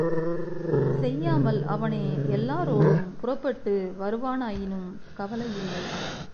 செய்யாமல் அவனே எல்லாரோடும் புறப்பட்டு வருவானாயினும் கவலை இல்லை.